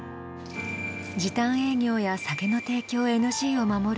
時短営業や酒の提供ＮＧを守る